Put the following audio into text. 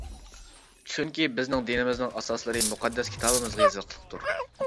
چۈنكى بىزنىڭ دىنىمىزنىڭ ئاساسلىرى مۇقەددەس كىتابىمىزغا يېزىقلىقتۇر.